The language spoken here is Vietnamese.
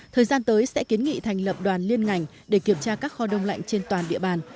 thời gian tới sẽ kiến nghị thành lập đoàn liên ngành để kiểm tra các kho đông lạnh trên toàn địa bàn